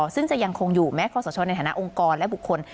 ซึ่งจะยังคงอยู่แม้คอสชในฐานะองค์กรและบุคคล